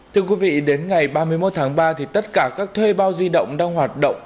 thưa quý vị đến ngày ba mươi một tháng ba tất cả các thuê bao di động đang hoạt động